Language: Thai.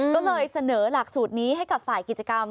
ก็เลยเสนอหลักสูตรนี้ให้กับฝ่ายกิจกรรม